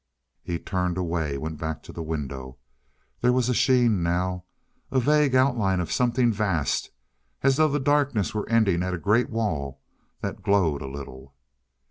He turned away; went back to the window. There was a sheen now. A vague outline of something vast, as though the darkness were ending at a great wall that glowed a little.